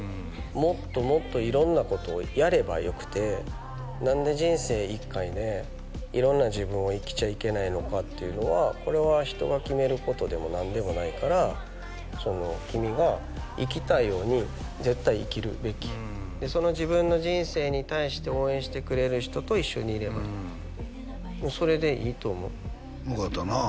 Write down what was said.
もっともっと色んなことをやればよくて何で人生一回で色んな自分を生きちゃいけないのかっていうのはこれは人が決めることでも何でもないから君が生きたいように絶対生きるべきでその自分の人生に対して応援してくれる人と一緒にいればいいそれでいいと思うよかったなあ